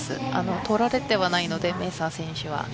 取られてはないので、メーサー選手は。